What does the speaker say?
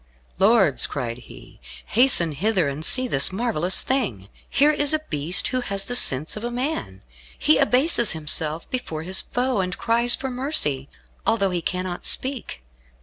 "Lords," cried he, "hasten hither, and see this marvellous thing. Here is a beast who has the sense of man. He abases himself before his foe, and cries for mercy, although he cannot speak.